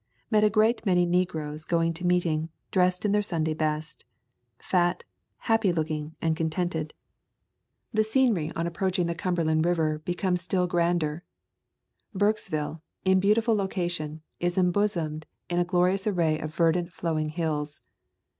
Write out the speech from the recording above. Met a great many negroes going to meeting, dressed in their Sunday best. Fat, happy look ing, and contented. The scenery on approaching [ 13 ] A Thousand Mile Walk the Cumberland River becomes still grander. Burkesville, in beautiful location, is embosomed in a glorious array of verdant flowing hills.